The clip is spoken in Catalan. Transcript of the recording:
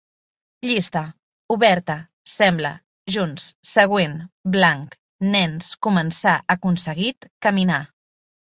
Llista: oberta, sembla, junts, següent, blanc, nens, començar, aconseguit, caminar